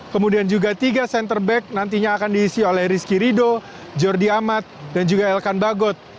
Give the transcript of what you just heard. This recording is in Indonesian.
kemudian juga tiga center back nantinya akan diisi oleh rizky rido jordi amat dan juga elkan bagot